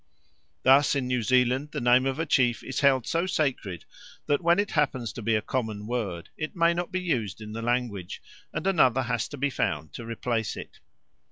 Thus in New Zealand the name of a chief is held so sacred that, when it happens to be a common word, it may not be used in the language, and another has to be found to replace it.